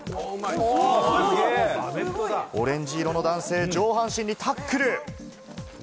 オレンジ色の男性、上半身にタックル！